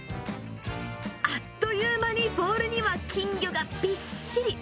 あっという間にボウルには金魚がびっしり。